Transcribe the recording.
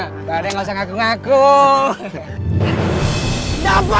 padahal gak usah ngaku ngaku